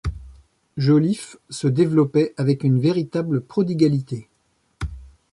Joliffe se développaient avec une véritable prodigalité.